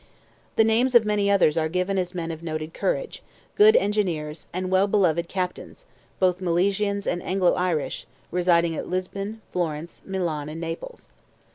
The names of many others are given as men of noted courage, good engineers, and "well beloved" captains, both Milesians and Anglo Irish, residing at Lisbon, Florence, Milan and Naples.